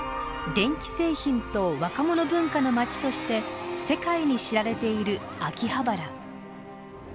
電気製品と若者文化の街として世界に知られている秋葉原。